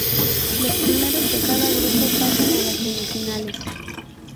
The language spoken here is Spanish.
Los primeros de cada grupo pasan a las semifinales.